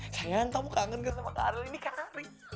sayang kamu kangen kan sama kak arul ini karing